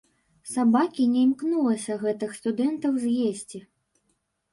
Сабакі не імкнулася гэтых студэнтаў з'есці.